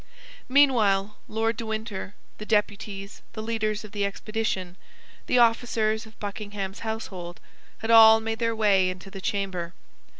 Meanwhile, Lord de Winter, the deputies, the leaders of the expedition, the officers of Buckingham's household, had all made their way into the chamber.